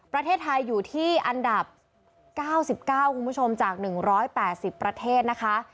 ประเทศไทยอยู่ที่อันดับ๙๙คุณผู้ชมจาก๑๘๐ประเทศนะคะ